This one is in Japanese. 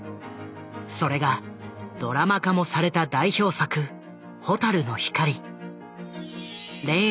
それがドラマ化もされた代表作「ホタルノヒカリ」。